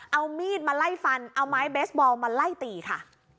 เอามีดมาไล่ฟันเอาไม้เบสบอลมาไล่ตีค่ะ